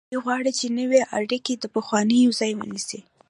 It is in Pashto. دوی غواړي چې نوې اړیکې د پخوانیو ځای ونیسي.